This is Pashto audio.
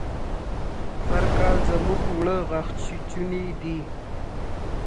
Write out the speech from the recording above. سرکال زموږ اوړه غاښ چيچوني دي.